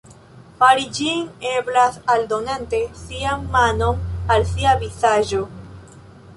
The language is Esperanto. Fari ĝin eblas aldonante sian manon al sia vizaĝo.